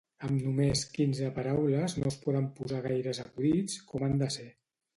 Amb només quinze paraules no es poden posar gaires acudits com han de ser